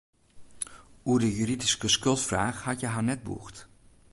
Oer de juridyske skuldfraach hat hja har net bûgd.